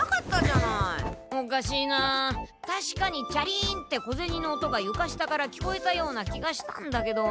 おかしいなたしかにチャリンって小ゼニの音がゆか下から聞こえたような気がしたんだけど。